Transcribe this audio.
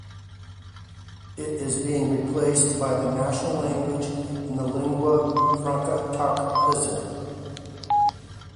It is being replaced by the national language and lingua franca Tok Pisin.